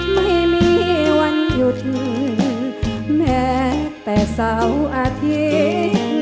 ไม่มีวันหยุดแม้แต่เสาร์อาทิตย์